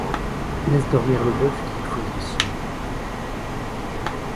Laisse dormir le bœuf qui creuse le sillon. ;